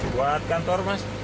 buat kantor mas